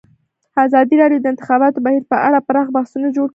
ازادي راډیو د د انتخاباتو بهیر په اړه پراخ بحثونه جوړ کړي.